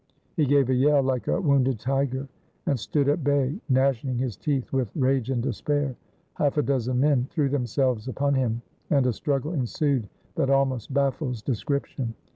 He gave a yell like a wounded tiger, and stood at bay gnashing his teeth with rage and despair. Half a dozen men threw themselves upon him, and a struggle ensued that almost baffles description.